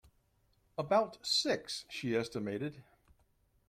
About six, she estimated.